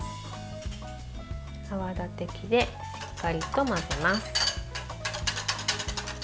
泡立て器で、しっかりと混ぜます。